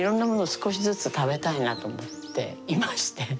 少しずつ食べたいなと思っていまして。